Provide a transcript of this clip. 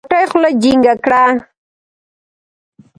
غوټۍ خوله جينګه کړه.